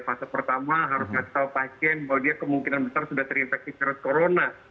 fasa pertama harus ngasih tau pasien bahwa dia kemungkinan besar sudah terinfeksi karena corona